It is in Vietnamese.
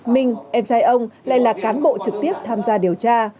minh em trai ông lại là cán bộ trực tiếp tham gia điều tra